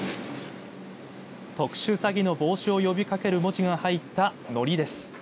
特殊詐欺の防止を呼びかける文字が入ったのりです。